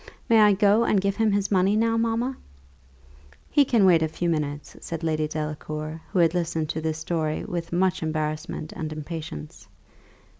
May I go and give him his money now, mamma?" "He can wait a few minutes," said Lady Delacour, who had listened to this story with much embarrassment and impatience.